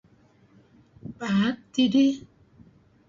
Paad tidih